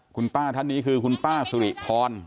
คุณป้านี่คือคุณป้าสุฬิทรทร